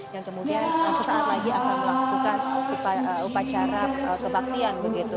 yang kemudian sesaat lagi akan melakukan upacara kebaktian begitu